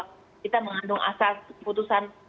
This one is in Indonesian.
kita mengandung asas keputusan